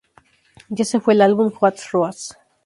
Y ese fue el álbum Hot Rats.